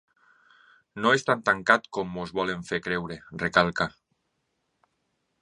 No és tan tancat, com es volen fer creure, recalca.